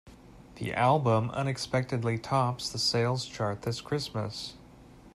The album unexpectedly tops the sales chart this Christmas.